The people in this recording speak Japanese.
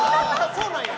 そうなんや！